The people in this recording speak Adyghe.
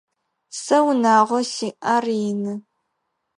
Сэ унагъо сиӏ, ар ины.